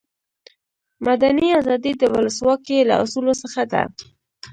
مدني آزادي د ولسواکي له اصولو څخه ده.